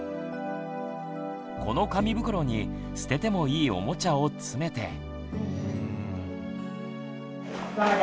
この紙袋に捨ててもいいおもちゃを詰めて。